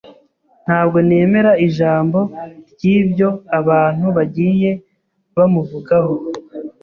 Ntabwo nemera ijambo ryibyo abantu bagiye bamuvugaho.